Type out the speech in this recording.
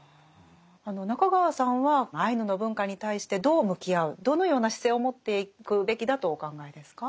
中川さんはアイヌの文化に対してどう向き合うどのような姿勢を持っていくべきだとお考えですか？